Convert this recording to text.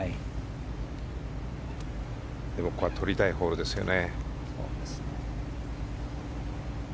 ここはとりたいホールですね。